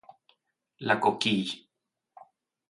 La Coquille